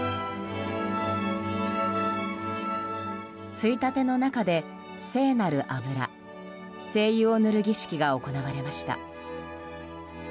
衝立の中で聖なる油聖油を塗る儀式が行われました。